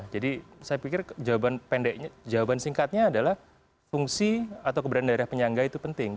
jadi saya pikir jawaban singkatnya adalah fungsi atau keberadaan daerah penyangga itu penting